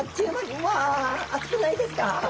うわ熱くないですか？